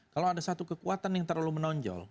kalau ada satu kekuatan yang terlalu menonjol